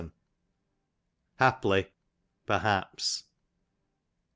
Haply, perhaps.